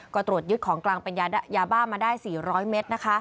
ก็ตรวจยึดของกลางเป็นยาบ้ามาได้๔๐๐เมตร